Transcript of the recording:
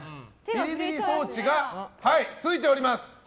ビリビリ装置がついております。